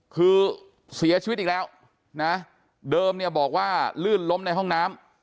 คือเสียชีวิตอีกแล้วนะเดิมเนี่ยบอกว่าลื่นล้มในห้องน้ำ